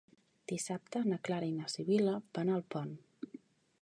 Dissabte na Clara i na Sibil·la van a Alpont.